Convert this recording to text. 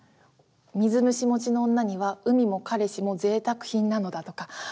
「水虫持ちの女には海も彼氏も贅沢品なのだ」とか。